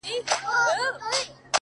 د زړو غمونو یاري. انډيوالي د دردونو.